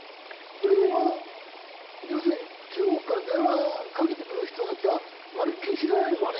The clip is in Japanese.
これは要するに中国から電話かけてくる人たちはまるっきり知らないのかね？